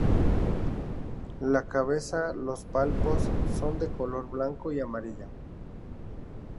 La cabeza los palpos son de color blanco y amarillo.